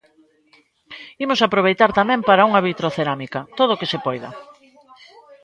Imos aproveitar tamén para unha vitrocerámica, todo o que se poida.